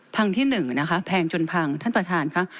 พังที่๑นะคะแพงจนพังท่านประธานค่ะ